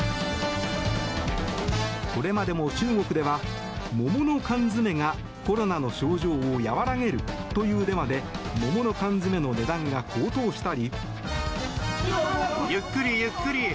これまでも中国では桃の缶詰がコロナの症状を和らげるというデマで桃の缶詰の値段が高騰したり。